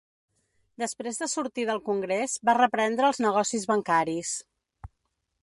Després de sortir del Congrés, va reprendre els negocis bancaris.